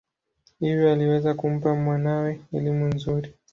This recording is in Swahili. Hivyo aliweza kumpa mwanawe elimu nzuri.